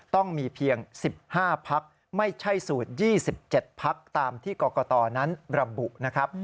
ต้องมีเพียง๑๕พักไม่ใช่สูตร๒๗พักตามที่กรกตนั้นระบุนะครับ